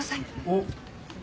おっ。